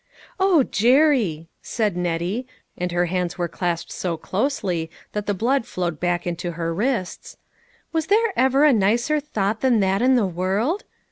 " O Jerry," said Nettie, and her hands were clasped so closely that the blood flowed back into her wrists, " was there ever a nicer thought than that in the world